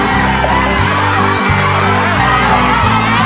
แม่งแม่ง